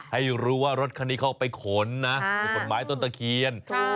ให้รู้ว่ารถคันนี้เขาไปขนนะอยู่ขนไม้ต้นตะเคียน